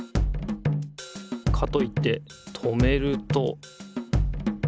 かといって止めると。